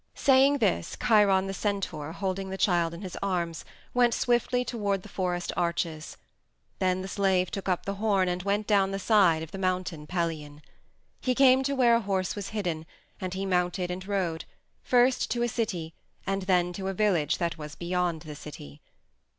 Saying this Chiron the centaur, holding the child in his arms, went swiftly toward the forest arches; then the slave took up the horn and went down the side of the Mountain Pelion. He came to where a horse was hidden, and he mounted and rode, first to a city, and then to a village that was beyond the city.